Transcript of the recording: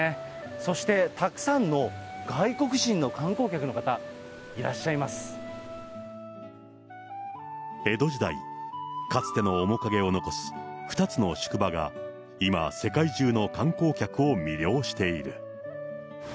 そしてたくさんの外国人の観光客江戸時代、かつての面影を残す２つの宿場が今、世界中の観光客を魅了している。